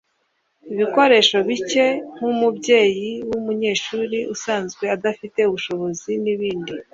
ibikoresho bike nk’umubyeyi w’umunyeshuri usanzwe adafite ubushobozi n’ibindi